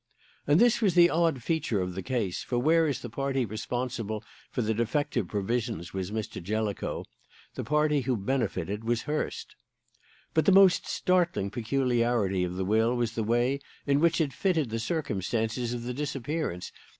And this was the odd feature in the case; for whereas the party responsible for the defective provisions was Mr. Jellicoe, the party who benefited was Hurst. "But the most startling peculiarity of the will was the way in which it fitted the circumstances of the disappearance.